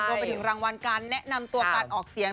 รวมไปถึงรางวัลการแนะนำตัวการออกเสียง